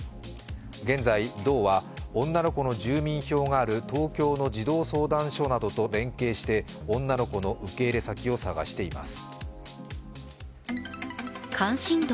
現在、道は女の子の住民票がある東京の児童相談所などと連携して女の子の受け入れ先を探しています。